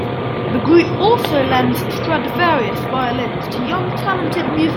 The group also lends Stradivarius violins to young talented musicians.